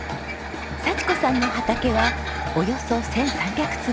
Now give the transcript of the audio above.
幸子さんの畑はおよそ１３００坪。